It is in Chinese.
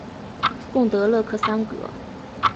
贡德勒克桑格。